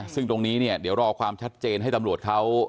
ซึ่งตรงนี้เนี่ยเดี๋ยวรอความชัดเจนให้ตำรวจเขา